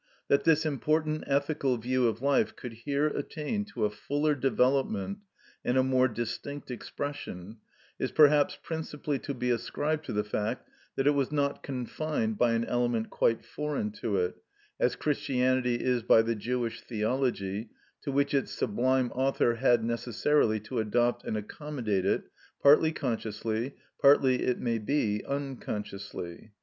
That this important ethical view of life could here attain to a fuller development and a more distinct expression is perhaps principally to be ascribed to the fact that it was not confined by an element quite foreign to it, as Christianity is by the Jewish theology, to which its sublime author had necessarily to adopt and accommodate it, partly consciously, partly, it may be, unconsciously.